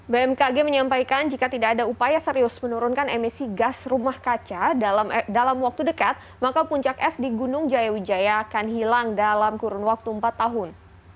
bmkg menyampaikan jika tidak ada upaya serius menurunkan emisi gas rumah kaca dalam waktu dekat maka puncak es di gunung jaya wijaya akan hilang dalam kurun waktu empat tahun